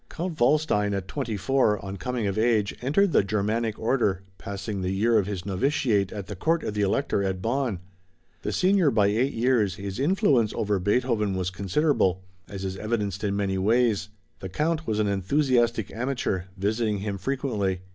Count Waldstein at twenty four, on coming of age, entered the Germanic order, passing the year of his novitiate at the Court of the Elector at Bonn. The senior by eight years, his influence over Beethoven was considerable, as is evidenced in many ways. The Count was an enthusiastic amateur, visiting him frequently.